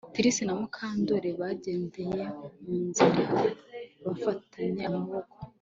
Trix na Mukandoli bagendeye mu nzira bafatanye amaboko